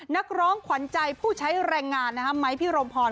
นักร้องขวัญใจผู้ใช้แรงงานนะฮะไม้พี่รมพร